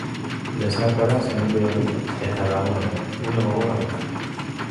Besarkada senideoi eta lagunoi une gogor hauetan.